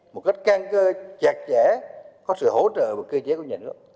một cách can cơ chặt chẽ có sự hỗ trợ và cơ chế của nhà nước